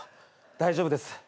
大丈夫です。